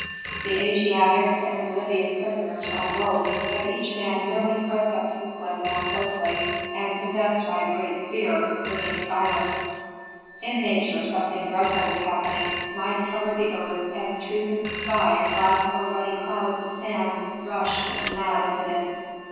The Asiatics and the Libyan prisoners all woke, but each man merely pressed up to the cliff more closely, and possessed by great fear remained silent. In nature something dreadful was happening. Night covered the earth, and through the sky black or ruddy clouds of sand rushed with mad impetus.